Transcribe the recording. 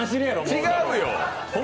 違うよ！